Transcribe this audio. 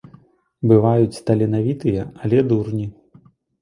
Бываюць таленавітыя, але дурні.